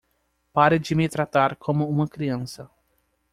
Pare de me tratar como uma criança.